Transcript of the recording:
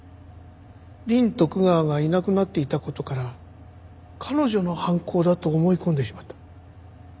リン・トクガワがいなくなっていた事から彼女の犯行だと思い込んでしまった。